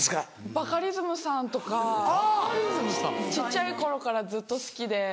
バカリズムさんとか小っちゃい頃からずっと好きで。